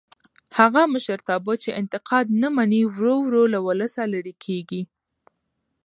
هغه مشرتابه چې انتقاد نه مني ورو ورو له ولسه لرې کېږي